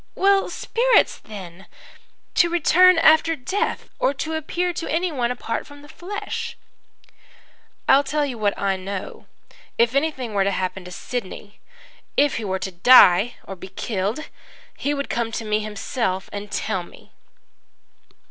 "'Well, spirits then to return after death, or to appear to anyone apart from the flesh?' "'I will tell you what I know. If anything were to happen to Sidney if he were to die or be killed he would come to me himself and tell me.'